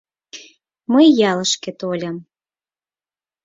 «Мый ялышке тольым.